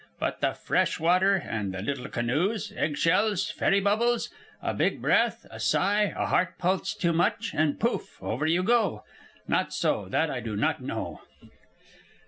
But the fresh water, and the little canoes, egg shells, fairy bubbles; a big breath, a sigh, a heart pulse too much, and pouf! over you go; not so, that I do not know."